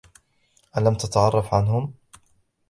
ألم تتعرف عنهم؟